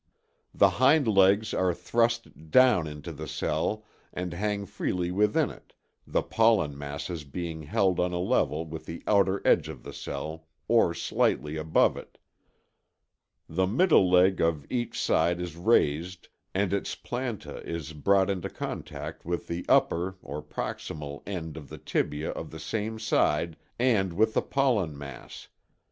The hind legs are thrust down into the cell and hang freely within it, the pollen masses being held on a level with the outer edge of the cell, or slightly above it. The middle leg of each side is raised and its planta is brought into contact with the upper (proximal) end of the tibia of the same side and with the pollen mass.